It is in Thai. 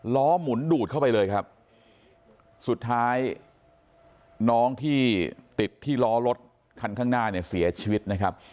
หมุนดูดเข้าไปเลยครับสุดท้ายน้องที่ติดที่ล้อรถคันข้างหน้าเนี่ยเสียชีวิตนะครับ